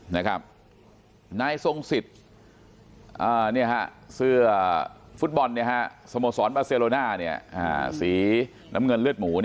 นายทรงสิทธิ์เสื้อฟุตบอลสโมสรบาเซโลน่าสีน้ำเงินเลือดหมู